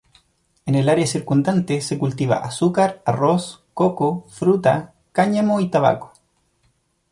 En el área circundante se cultiva azúcar, arroz, coco, fruta, cáñamo y tabaco.